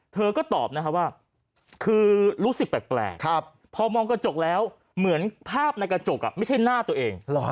เธอก็ตอบนะครับว่าคือรู้สึกแปลกพอมองกระจกแล้วเหมือนภาพในกระจกไม่ใช่หน้าตัวเอง